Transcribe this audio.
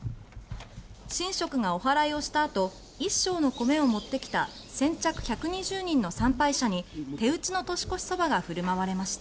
神職がおはらいをしたあと一升の米を持ってきた先着１２０人の参拝者に手打ちの年越しそばが振る舞われました。